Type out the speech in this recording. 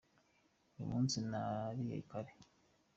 Uyu munsi nariye kare.